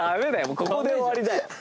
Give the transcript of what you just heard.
ここで終わりだよ。